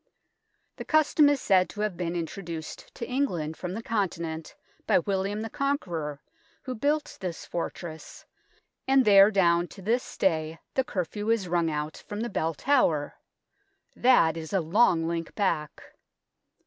The custom is said to have been introduced to England from the Conti nent by William the Conqueror, who built this fortress, and there down to this day the curfew is rung out from the Bell Tower. That is a long link back.